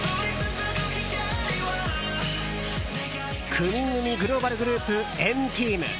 ９人組グローバルグループ＆ＴＥＡＭ。